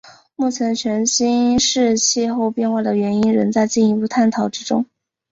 目前全新世气候变化的原因仍在进一步探讨之中。